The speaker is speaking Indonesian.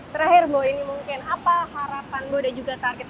terakhir bo ini mungkin apa harapan bo dan juga target